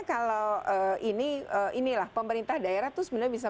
kalau ini inilah pemerintah daerah itu sebenarnya bisa